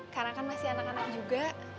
karena kan masih anak anak juga